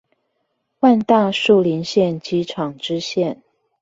萬大樹林線機廠支線